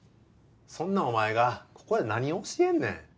そんなお前がここで何を教えんねん？